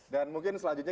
dan mungkin selanjutnya